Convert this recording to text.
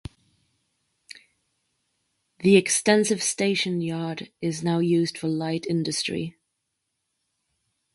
The extensive station yard is now used for light industry.